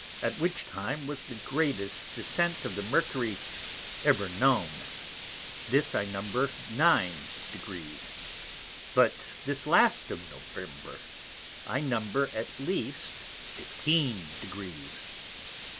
at which time was the greatest descent of the ☿ ever known: This I number 9 degrees. But this last of November, I number at least 15 degrees.